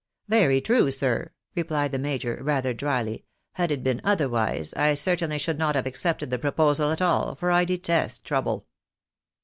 " Very true, sir," replied the major, rather drily ;" had it been otherwise, I certainly should not have accepted the proposal at all, for I detest trouble."